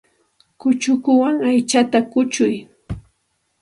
Kuchukuwan aychata kuchuy.